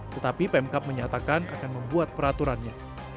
tetapi pemkap menyatakan akan membuat peraturannya